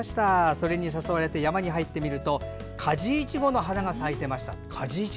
それに誘われて山に入ってみるとカジイチゴの花が咲いていました。